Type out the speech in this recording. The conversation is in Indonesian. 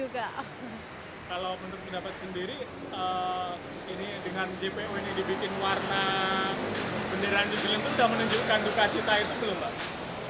kalau menurut pendapat sendiri ini dengan jpo ini dibikin warna benderaan digiling itu sudah menunjukkan duka cita itu belum pak